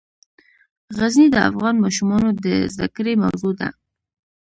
غزني د افغان ماشومانو د زده کړې موضوع ده.